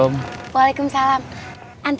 sampai dimana tadi